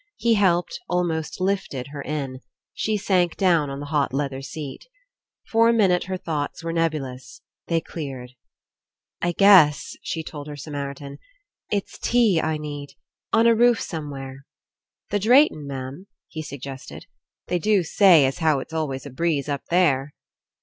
He helped, almost lifted her In. She sank down on the hot leather seat. For a minute her thoughts were neb ulous. They cleared. *^I guess,'* she told her Samaritan, "It's tea I need. On a roof somewhere." "The Drayton, ma'am?" he suggested. "They do say as how it's always a breeze up there."